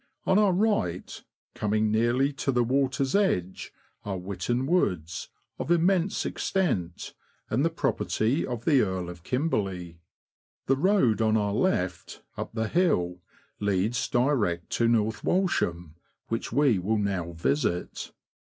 On our right, coming nearly to the water's edge, are Witton Woods, of immense extent, and the property of the Earl of Kimberley. The road on our left, up the hill, leads direct to North Walsham, which we will now visit.